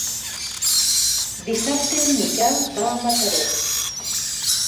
Dissabte en Miquel va a Mataró.